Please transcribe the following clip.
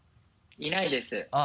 いないですね。